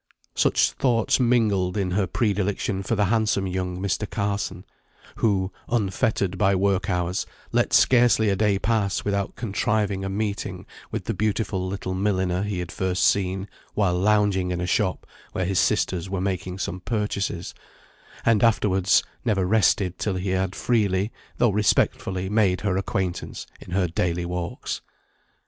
Such thoughts mingled in her predilection for the handsome young Mr. Carson, who, unfettered by work hours, let scarcely a day pass without contriving a meeting with the beautiful little milliner he had first seen while lounging in a shop where his sisters were making some purchases, and afterwards never rested till he had freely, though respectfully, made her acquaintance in her daily walks.